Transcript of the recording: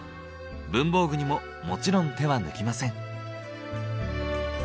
文房具にももちろん手は抜きません。